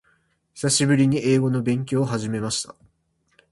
久しぶりに英語の勉強を始めました。